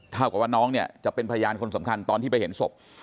เท่ากับว่าน้องเนี่ยจะเป็นพยานคนสำคัญตอนที่ไปเห็นศพ